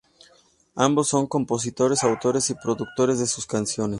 Ambos son compositores, autores y productores de sus canciones.